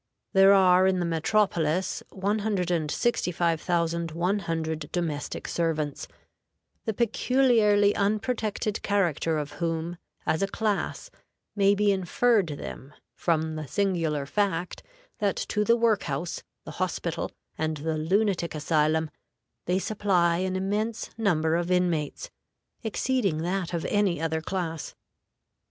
There are in the metropolis 165,100 domestic servants, the peculiarly unprotected character of whom, as a class, may be inferred from the singular fact that to the work house, the hospital, and the Lunatic Asylum they supply an immense number of inmates, exceeding that of any other class.